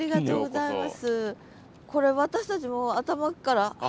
これ私たちも頭っからハコ。